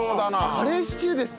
カレーシチューですか？